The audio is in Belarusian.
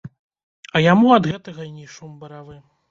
А яму ад гэтага й не шум баравы.